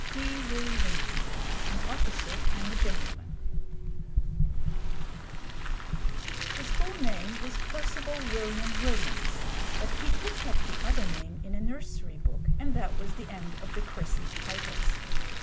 WEE WILLIE WINKIE AN OFFICER AND A GENTLEMAN His full name was Percival William Williams, but he picked up the other name in a nursery book, and that was the end of the christened titles.